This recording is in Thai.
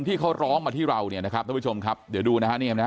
ที่เขาร้องมาที่เราเนี่ยนะครับท่านผู้ชมครับเดี๋ยวดูนะฮะเนี่ยนะฮะ